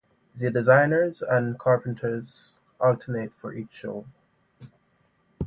The designers and carpenters alternate for each show.